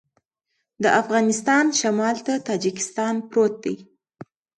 د افغانستان شمال ته تاجکستان پروت دی